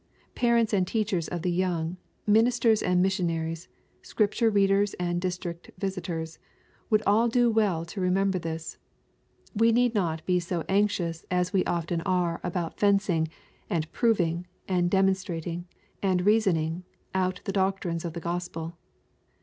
Parents and teachers of the young, ministers and missionaries. Scripture readers and district visitors, would all do well to remember this. We need not be so anxious as we often are about fencing, and proving, and demonstrating, and reasoning, out the doctrines of the Gospel.